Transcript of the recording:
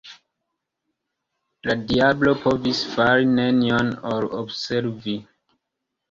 La diablo povis fari nenion ol observi.